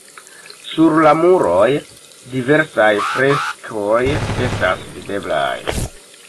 Sur la muroj diversaj freskoj estas videblaj.